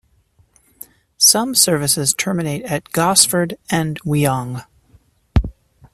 Some services terminate at Gosford and Wyong.